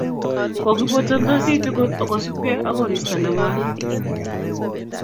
Kokibotantosi tugul kosubkei ak koristo ne ngwan